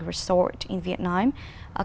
trong việc sử dụng